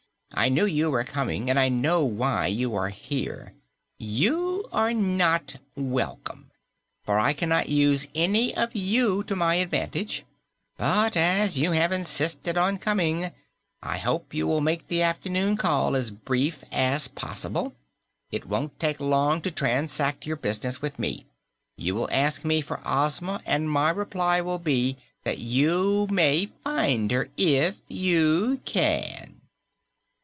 I knew you were coming, and I know why you are here. You are not welcome, for I cannot use any of you to my advantage, but as you have insisted on coming, I hope you will make the afternoon call as brief as possible. It won't take long to transact your business with me. You will ask me for Ozma, and my reply will be that you may find her if you can."